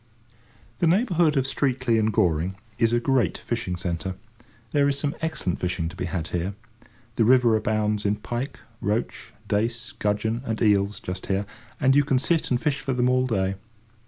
The neighbourhood of Streatley and Goring is a great fishing centre. There is some excellent fishing to be had here. The river abounds in pike, roach, dace, gudgeon, and eels, just here; and you can sit and fish for them all day.